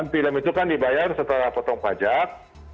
film itu kan dibayar setelah potong pajak